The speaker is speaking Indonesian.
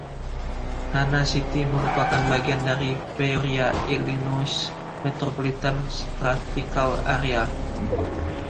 Hanna City merupakan bagian dari Peoria, Illinois Metropolitan Statistical Area.